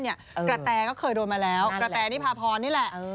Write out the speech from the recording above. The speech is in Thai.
กระแตก็เคยโดนมาแล้วกระแตนิพาพรนี่แหละ